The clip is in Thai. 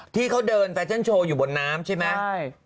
ที่เขาเดินแฟชั่นโชว์อยู่บนน้ำใช่ไหม